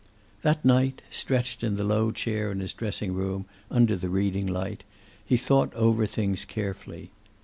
That night, stretched in the low chair in his dressing room, under the reading light, he thought over things carefully.